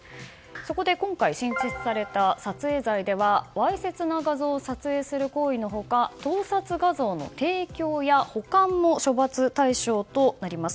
そこで今回新設された撮影罪ではわいせつな画像を撮影する行為の他盗撮画像の提供や保管も処罰対象となります。